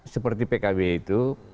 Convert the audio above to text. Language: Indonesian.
seperti pkb itu